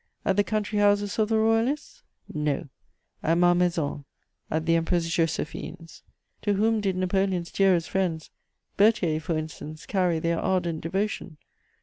At the country houses of the Royalists? No: at Malmaison, at the Empress Joséphine's. To whom did Napoleon's dearest friends, Berthier, for instance, carry their ardent devotion?